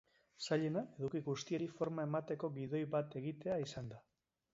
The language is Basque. Zailena eduki guztiari forma emateko gidoi bat egitea izan da.